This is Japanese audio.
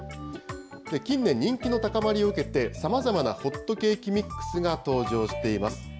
近年、人気の高まりを受けて、さまざまなホットケーキミックスが登場しています。